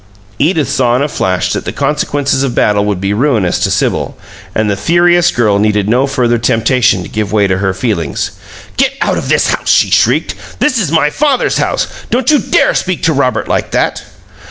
Edith saw in a flash that the consequences of battle would be ruinous to Sibyl, and the furious girl needed no further temptation to give way to her feelings. "Get out of this house!" she shrieked. "This is my father's house. Don't you dare speak to Robert like that!"